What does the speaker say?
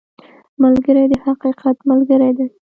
ملګری د حقیقت ملګری دی